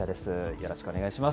よろしくお願いします。